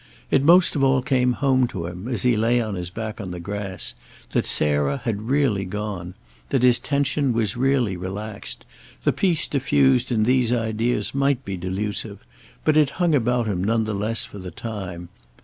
It most of all came home to him, as he lay on his back on the grass, that Sarah had really gone, that his tension was really relaxed; the peace diffused in these ideas might be delusive, but it hung about him none the less for the time.